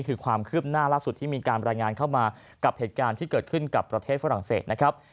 คือความคืบหน้าล่าสุดที่มีการรายงานเข้ามากับเหตุการณ์ที่เกิดขึ้นกับประเทศฝรั่งเศสนะครับ